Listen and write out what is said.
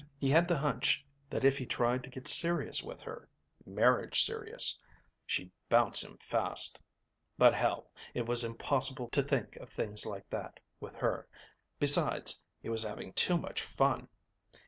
He had the hunch that if he tried to get serious with her marriage serious she'd bounce him fast. But hell, it was impossible to think of things like that with her, besides he was having too much fun.